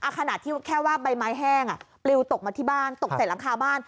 ขนาดที่แค่ว่าใบไม้แห้งปลิวตกมาที่บ้านตกใส่หลังคาบ้าน